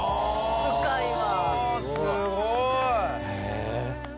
深いわ。